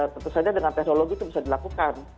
tentu saja dengan teknologi itu bisa dilakukan